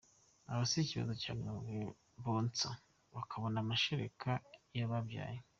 Aha si ikibazo cyane mu gihe bonsa bakabona amashereka iyo babyaye.